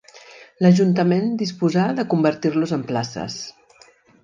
L'Ajuntament disposà de convertir-los en places.